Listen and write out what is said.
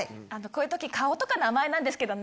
こういう時顔とか名前ですけど。